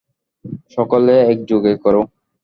সকলে একযোগে করো!